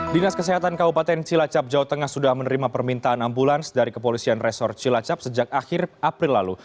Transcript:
dinas kesehatan kabupaten cilacap jawa tengah sudah menerima permintaan ambulans dari kepolisian resor cilacap sejak akhir april lalu